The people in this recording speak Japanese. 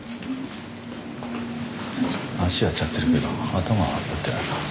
脚やっちゃってるけど頭は打ってない。